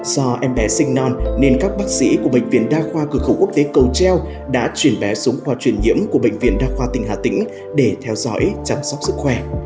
do em bé sinh non nên các bác sĩ của bệnh viện đa khoa cửa khẩu quốc tế cầu treo đã chuyển bé xuống khoa truyền nhiễm của bệnh viện đa khoa tỉnh hà tĩnh để theo dõi chăm sóc sức khỏe